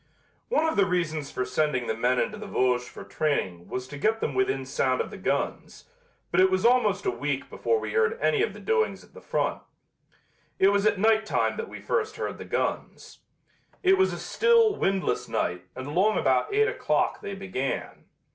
One of the reasons for sending the men into the Vosges for training was to get them within sound of the guns, but it was almost a week before we heard any of the doings at the front. It was at night time that we first heard the guns. It was a still, windless night and along about eight o'clock they began.